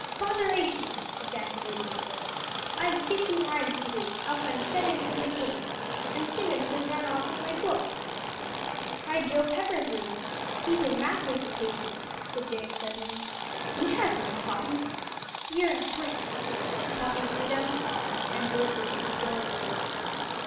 "Botheration!" ejaculated the boy. "I've fifty lines to do, else I'm shut in from the game. And Simmons has run off with my book." "Try Joe Pepper's room; he's in math recitation," said Jenk suddenly. "He has one, Toppy." "You're a brick." Toppy flew down the hall, and bolted into Joel's room.